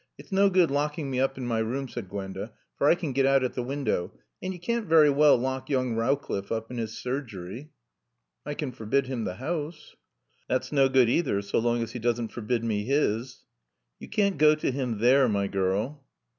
"It's no good locking me up in my room," said Gwenda, "for I can get out at the window. And you can't very well lock young Rowcliffe up in his surgery." "I can forbid him the house." "That's no good either so long as he doesn't forbid me his." "You can't go to him there, my girl."